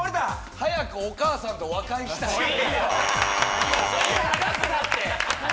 早くお母さんと和解したい。